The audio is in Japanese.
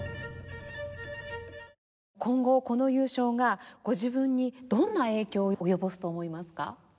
今後この優勝がご自分にどんな影響を及ぼすと思いますか？